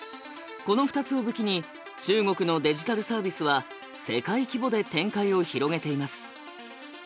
この２つを武器に中国のデジタルサービスは世界規模で展開を広げています。